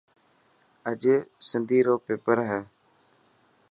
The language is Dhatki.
اڄ سنڌي رو پيپر هي.